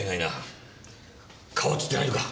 顔は映ってないのか？